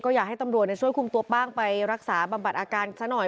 อยากให้ตำรวจช่วยคุมตัวป้างไปรักษาบำบัดอาการซะหน่อย